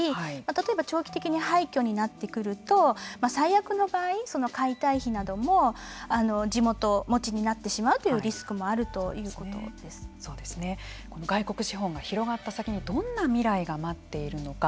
例えば長期的に廃虚になってくると最悪の場合その解体費なども地元持ちになってしまうというリスクも外国資本が広がった先にどんな未来が待っているのか。